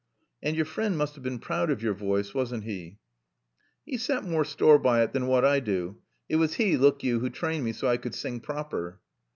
"And your friend must have been proud of your voice, wasn't he?" "He sat more store by it than what I do. It was he, look yo, who trained me so as I could sing proper."